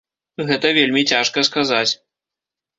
Гэта вельмі цяжка сказаць.